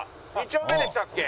２丁目でしたっけ？